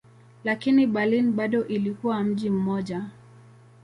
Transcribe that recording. Lakini Berlin bado ilikuwa mji mmoja.